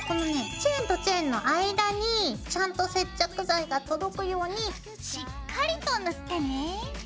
チェーンとチェーンの間にちゃんと接着剤が届くようにしっかりと塗ってね。